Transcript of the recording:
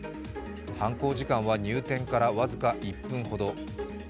犯行時間は入店から僅か１分ほど。